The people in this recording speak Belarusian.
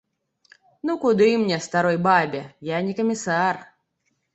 Ну, куды мне, старой бабе, я не камісар.